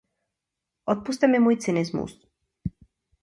Odpusťte mi můj cynismus.